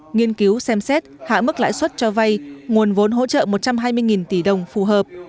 nghiên cứu xem xét hạ mức lãi suất cho vay nguồn vốn hỗ trợ một trăm hai mươi tỷ đồng phù hợp